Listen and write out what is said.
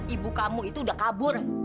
ibu kamu itu udah kabur